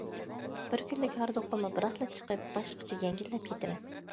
بىر كۈنلۈك ھاردۇقۇممۇ بىراقلا چىقىپ، باشقىچە يەڭگىللەپ كېتىمەن.